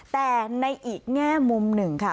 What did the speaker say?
แต่ในอีกแง่มุมหนึ่งค่ะ